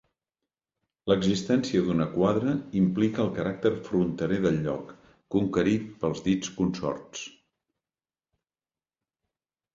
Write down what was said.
L'existència d'una quadra implica el caràcter fronterer del lloc, conquerit pels dits consorts.